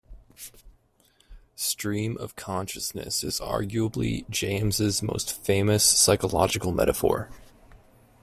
Stream of consciousness is arguably James' most famous psychological metaphor.